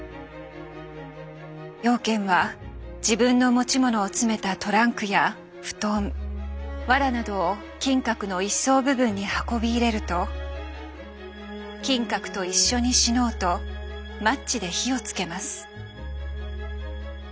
養賢は自分の持ち物を詰めたトランクや布団わらなどを金閣の１層部分に運び入れると金閣と一緒に死のうとマッチで火をつけます。